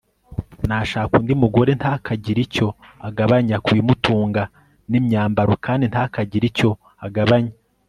nashaka undi mugore ntakagire icyo agabanya ku bimutunga n imyambaro kandi ntakagire icyo agabanya